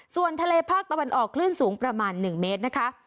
ส่วนทะเลภาคตะวันออกคลื่นสูงประมาณ๑เมตรนะคะ